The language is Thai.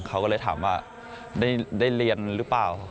เขาก็เลยถามว่าได้เรียนหรือเปล่า